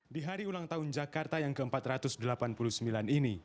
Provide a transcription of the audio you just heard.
di hari ulang tahun jakarta yang ke empat ratus delapan puluh sembilan ini